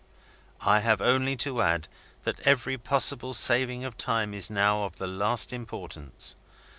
"I have only to add that every possible saving of time is now of the last importance.